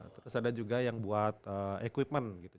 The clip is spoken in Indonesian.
terus ada juga yang buat equipment gitu